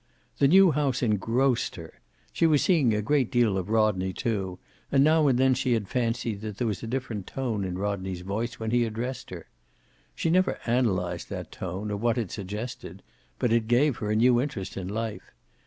The new house engrossed her. She was seeing a great deal of Rodney, too, and now and then she had fancied that there was a different tone in Rodney's voice when he addressed her. She never analyzed that tone, or what it suggested, but it gave her a new interest in life.